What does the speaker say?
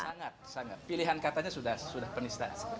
sangat sangat pilihan katanya sudah penista